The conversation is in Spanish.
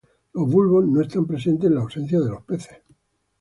Los bulbos no están presentes en la ausencia de los peces.